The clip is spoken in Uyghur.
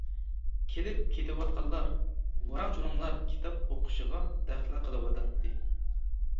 كېلىپ كېتىۋاتقانلار، ۋاراڭ-چۇرۇڭلار كىتاب ئوقۇشىغا دەخلى قىلىۋاتاتتى.